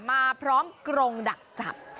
มาพร้อมกรงดักจับ